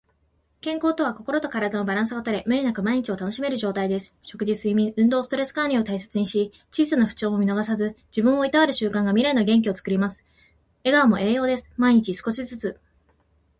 健康とは、心と体のバランスがとれ、無理なく毎日を楽しめる状態です。食事、睡眠、運動、ストレス管理を大切にし、小さな不調も見逃さず、自分をいたわる習慣が未来の元気をつくります。笑顔も栄養です。毎日少しずつ。